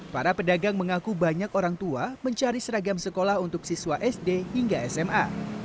para pedagang mengaku banyak orang tua mencari seragam sekolah untuk siswa sd hingga sma